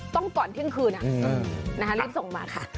ก่อนเที่ยงคืนรีบส่งมาค่ะ